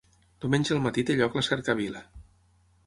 Diumenge al matí té lloc la cercavila.